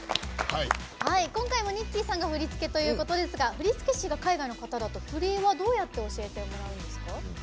今回もニッキーさんが振り付けということですが振付師が海外の方だと振りは、どうやって教えてもらうんですか？